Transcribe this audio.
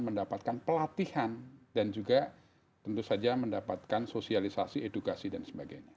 mendapatkan pelatihan dan juga tentu saja mendapatkan sosialisasi edukasi dan sebagainya